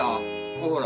ほら。